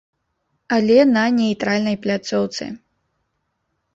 Але на нейтральнай пляцоўцы.